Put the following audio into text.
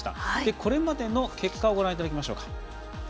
これまでの結果をご覧いただきましょう。